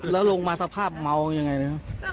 แล้วลงมาสภาพเมาอย่างไรเนี่ย